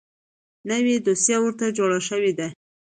نوې دوسیه ورته جوړه شوې ده .